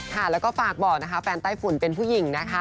ค่ะแล้วก็ฝากบอกนะคะแฟนไต้ฝุ่นเป็นผู้หญิงนะคะ